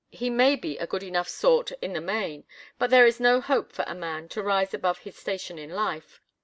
He may be a good enough sort in the main, but there is no hope here for a man to rise above his station in life.